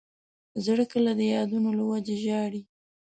زړه کله د یادونو له وجې ژاړي.